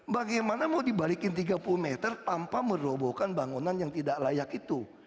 bagaimana mau dibalikin tiga puluh meter tanpa merobohkan bangunan yang tidak layak itu